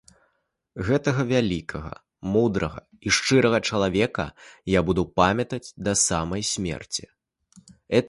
Гэтага вялікага, мудрага і шчырага чалавека я буду памятаць да самай смерці.